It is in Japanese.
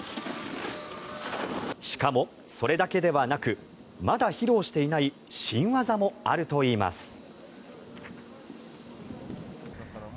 しかもそれだけではなくまだ披露していない新技もあるといいます。